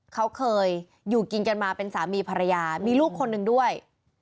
เขาเคยอยู่กินกันมาเป็นสามีภรรยามีลูกคนหนึ่งด้วย